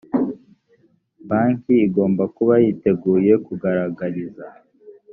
banki igomba kuba yiteguye kugaragariza